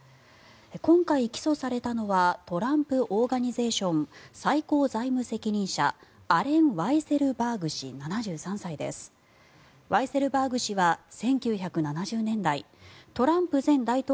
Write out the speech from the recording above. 今回、起訴されたのはトランプ・オーガニゼーションの最高財務責任者アレン・ワイセルバーグ氏７３歳です。